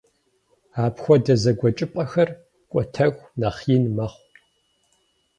Апхуэдэ зэгуэкӏыпӏэхэр кӏуэтэху нэхъ ин мэхъу.